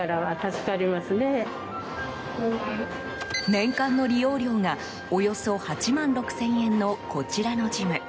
年間の利用料がおよそ８万６０００円のこちらのジム。